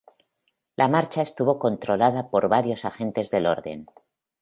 La marcha estuvo controlada por varios agentes del orden.